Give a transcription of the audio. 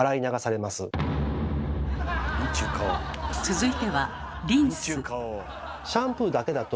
続いてはリンス。